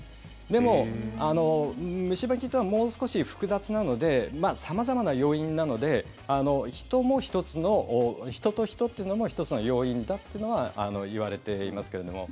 でも、虫歯菌というのはもう少し複雑なので様々な要因なので人も１つの人と人というのも１つの要因だというのはいわれていますけども。